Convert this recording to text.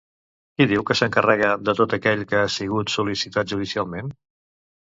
Qui diu que s'encarrega de tot aquell que ha sigut sol·licitat judicialment?